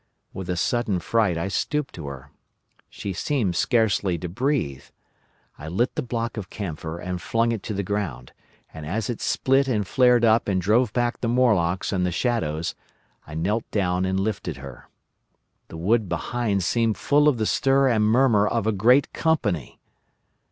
With a sudden fright I stooped to her. She seemed scarcely to breathe. I lit the block of camphor and flung it to the ground, and as it split and flared up and drove back the Morlocks and the shadows, I knelt down and lifted her. The wood behind seemed full of the stir and murmur of a great company!